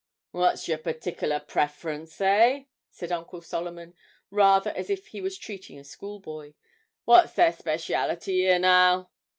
'What's your partickler preference, eh?' said Uncle Solomon, rather as if he was treating a schoolboy. 'What's their speciality 'ere, now?